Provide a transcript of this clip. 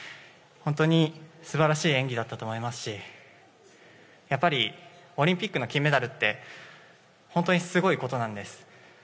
本当に素晴らしい演技だったと思いますしやっぱりオリンピックの金メダルって本当にすごいことなんです。